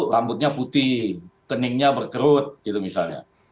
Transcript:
rambutnya putih keningnya berkerut gitu misalnya